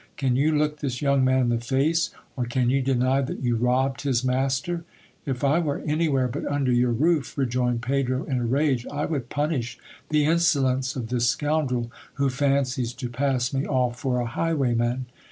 Can you look this young man in the face ? or can you deny that you robbed his master ? If I were anywhere but under your roof, rejoined Pedro in a rage, I would punish the insolence of this scoundrel who fancies to pass me off for a highwayman.